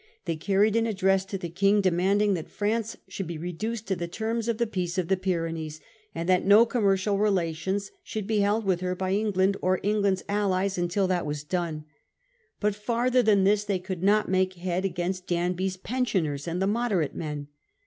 They carried an address to the King, demandingthat France should be reduced to the terms of the Peace of the Pyrenees, and that no com mercial relations should be held with her by England or England's allies until that was done. But farther than this they could not make head against Danby's pensioners Votes of and the moderate men.